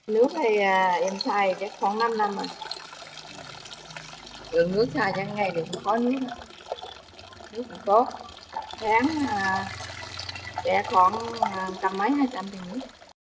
nước này em xài khoảng năm năm rồi nước xài trong ngày đều còn nhất